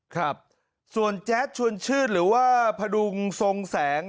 ครับส่วนแจ๊ดชวนชื่นหรือว่าพดุงทรงแสง